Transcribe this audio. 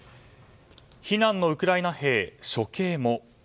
避難のウクライナ兵、処刑も。